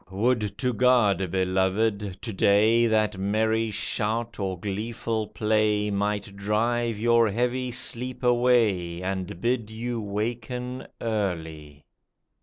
would to God, beloved, to day That merry shout or gleeful play Might drive your heavy sleep away, And bid you waken early.